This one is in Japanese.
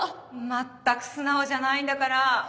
まったく素直じゃないんだから。